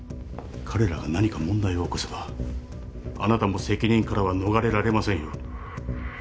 彼らが何か問題を起こせばあなたも責任からは逃れられませんよ。